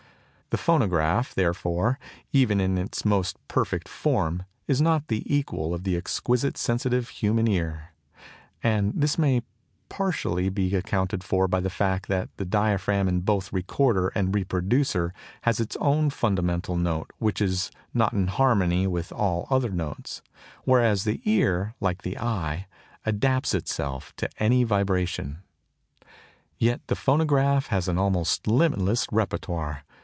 The phonograph, therefore, even in its most perfect form is not the equal of the exquisitely sensitive human ear; and this may partially be accounted for by the fact that the diaphragm in both recorder and reproducer has its own fundamental note which is not in harmony with all other notes, whereas the ear, like the eye, adapts itself to any vibration. Yet the phonograph has an almost limitless répertoire.